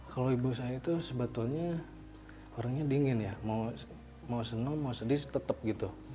kalau ibu saya itu sebetulnya orangnya dingin ya mau senang mau sedih tetap gitu